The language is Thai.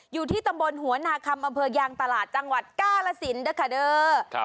อยู่ที่ตำบลหัวนาคำอำเภอยางตลาดจังหวัดกาลสินด้วยค่ะเด้อ